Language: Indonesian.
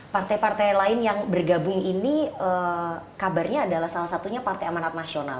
partai partai lain yang bergabung ini kabarnya adalah salah satunya partai amanat nasional